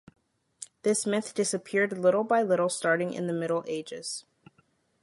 This myth disappeared little by little starting in the Middle Ages.